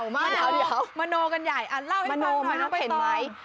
นับเป็นเวลาเลยนะครับประมาณ๑๐วินาที